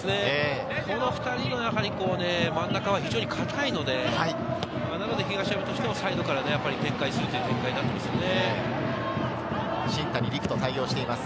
この２人の真ん中は非常に堅いので、東山としてはサイドから展開するという展開になって行きますね。